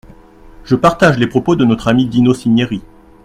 Je partage les propos de notre ami Dino Cinieri.